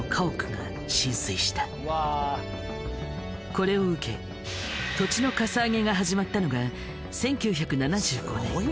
これを受け土地のかさ上げが始まったのが１９７５年。